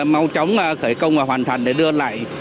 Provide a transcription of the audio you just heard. mau chóng khởi công và hoàn thành để đưa lại